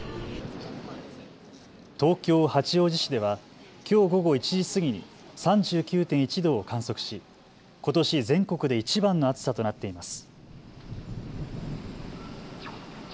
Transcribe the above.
東京八王子市ではきょう午後１時過ぎに３９．１度を観測し、ことし全国でいちばんの暑さとなっています。